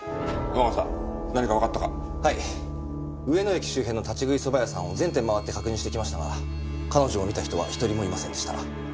上野駅周辺の立ち食いそば屋さんを全店回って確認してきましたが彼女を見た人は１人もいませんでした。